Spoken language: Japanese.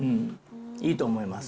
いいと思います。